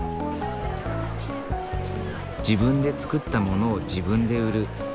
自分で作ったものを自分で売る。